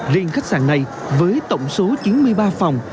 riêng khách sạn này với tổng số chín mươi ba phòng